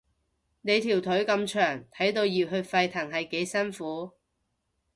你條腿咁長，睇到熱血沸騰係幾辛苦